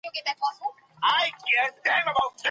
دا مهمه دنده بايد باوري او پوه کس ته وسپارل سي.